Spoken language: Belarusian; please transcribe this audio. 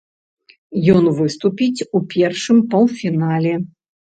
Ён выступіць у першым паўфінале.